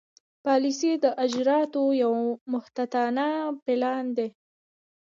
پالیسي د اجرااتو یو محتاطانه پلان دی.